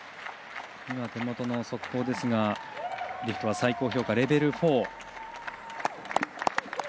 手元の速報ですがリフトは最高評価のレベル４。